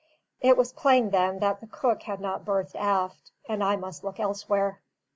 It was plain, then, that the cook had not berthed aft, and I must look elsewhere.